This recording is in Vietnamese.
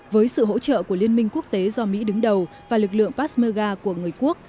với sự hỗ trợ của liên minh quốc tế do mỹ đứng đầu và lực lượng pasmega của người quốc